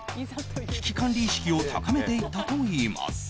危機管理意識を高めていったといいます。